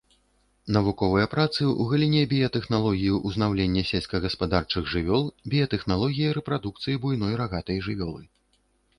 Навуковыя працы ў галіне біятэхналогіі ўзнаўлення сельскагаспадарчых жывёл, біятэхналогіі рэпрадукцыі буйной рагатай жывёлы.